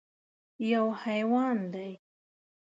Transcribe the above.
_يو حيوان دی.